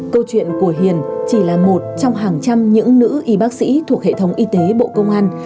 câu chuyện của hiền chỉ là một trong hàng trăm những nữ y bác sĩ thuộc hệ thống y tế bộ công an